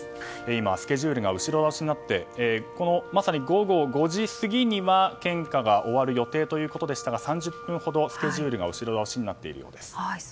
今、スケジュールが後ろ倒しになってまさに午後５時過ぎには献花が終わる予定ということでしたが３０分ほどスケジュールが後ろ倒しになっているそうです。